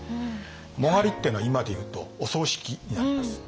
殯っていうのは今で言うとお葬式になります。